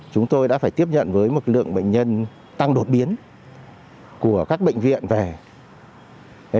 chúng tôi đã phải tiếp nhận với một lượng bệnh nhân tăng đột biến của các bệnh viện về